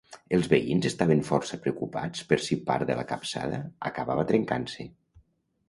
Els veïns estaven força preocupats per si part de la capçada acabava trencant-se.